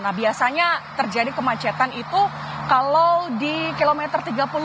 nah biasanya terjadi kemacetan itu kalau di kilometer tiga puluh dua